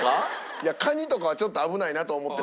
いやカニとかはちょっと危ないなと思ってます。